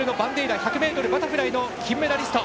１００ｍバタフライの金メダリスト。